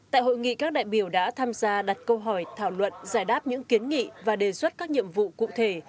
tại hội nghị các đại biểu đã tham gia đặt câu hỏi thảo luận giải đáp những kiến nghị và đề xuất các nhiệm vụ cụ thể